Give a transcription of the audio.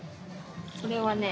これはね。